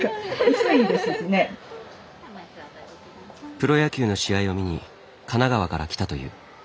プロ野球の試合を見に神奈川から来たという。